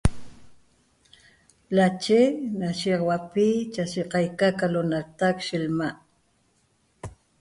Lache na shiýaxauapi cha'aye qaica ca l'onatac yi lma'